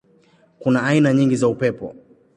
Kuna aina nyingi za upepo.